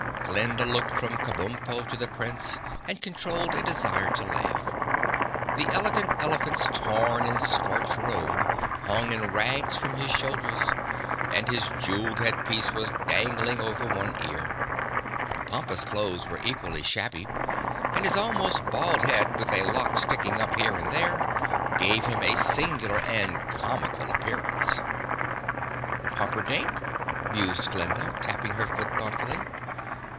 Glinda looked from Kabumpo to the Prince and controlled a desire to laugh. The Elegant Elephant's torn and scorched robe hung in rags from his shoulders and his jeweled headpiece was dangling over one ear. Pompa's clothes were equally shabby and his almost bald head with a lock sticking up here and there gave him a singular and comical appearance. [Illustration: (unlabelled)] "Pumperdink?" mused Glinda, tapping her foot thoughtfully.